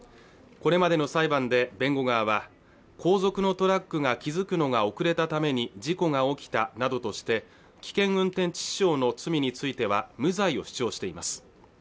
これまでの裁判で弁護側は後続のトラックが気づくのが遅れたために事故が起きたなどとして危険運転致死傷の罪については無罪を主張しています